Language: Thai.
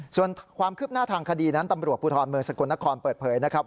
ส่วนความคืบหน้าทางคดีนั้นตำรวจภูทรเมืองสกลนครเปิดเผยนะครับ